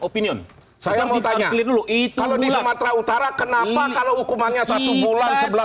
opinion saya mau tanya dulu itu kalau di sumatera utara kenapa kalau hukumannya satu bulan sebelah